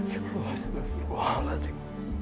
ya allah setafil allah